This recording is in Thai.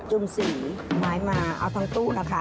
ุ่มสีไม้มาเอาทั้งตู้นะคะ